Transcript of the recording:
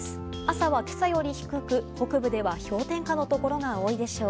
朝は今朝より低く、北部では氷点下のところが多いでしょう。